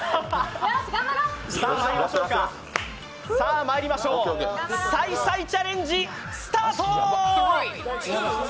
さあ、まいりましょう、再々チャレンジスタート！